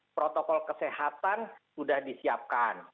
protokol kesehatan sudah disiapkan